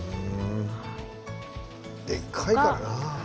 でかいからな。